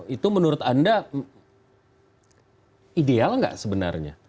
itu menurut anda ideal nggak sebenarnya